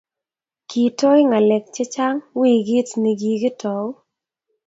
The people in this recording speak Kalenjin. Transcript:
kitooy ngalek chechang weekit nii kigitau